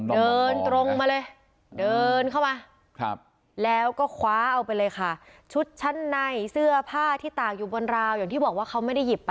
เดินตรงมาเลยเดินเข้ามา